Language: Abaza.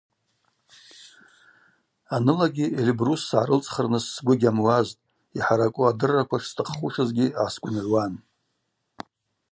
Анылагьи Эльбрус сгӏарылцӏхырныс сгвы гьамуазтӏ, йхӏаракӏу адырраква шстахъхушызгьи гӏасгвынгӏвуан.